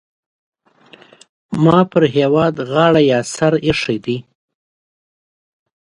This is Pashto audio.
ما پر هېواد غاړه اېښې ده.